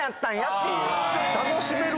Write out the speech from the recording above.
っていう。